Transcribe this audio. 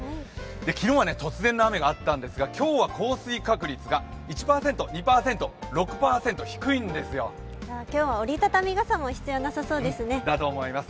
昨日は突然の雨があったんですが、今日は降水確率が１％、２％、６％、今日は折り畳み傘も必要なさそうですだと思います